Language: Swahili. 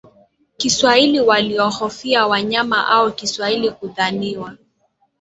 kiswahili walihofia wanyama hao kiswahili kudhaniwa